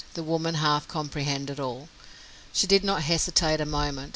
The woman half comprehended all. She did not hesitate a moment.